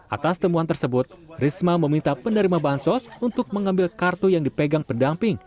atas temuan tersebut risma meminta penerima bansos untuk mengambil kartu yang dipegang pendamping